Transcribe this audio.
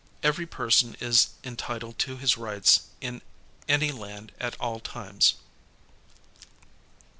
Every person is entitled to his rights in ain land at all times.